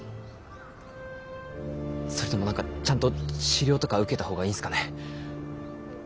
それとも何かちゃんと治療とか受けた方がいいんすかね？